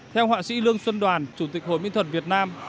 theo họa sĩ lương xuân đoàn chủ tịch hội miễn thuật việt nam